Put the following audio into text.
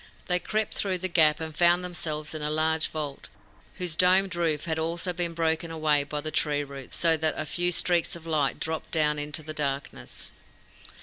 They crept through the gap, and found themselves in a large vault, whose domed roof had been also broken away by tree roots so that a few streaks of light dropped down into the darkness.